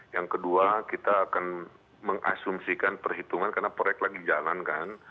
yang kedua kita akan mengasumsikan perhitungan karena proyek lagi dijalankan